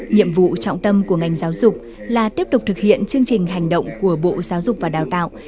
nhiệm vụ trọng tâm của ngành giáo dục là tiếp tục thực hiện chương trình hành động của bộ giáo dục và đào tạo